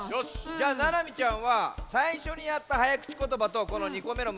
じゃあななみちゃんはさいしょにやったはやくちことばとこの２こめのむずかしいやつりょう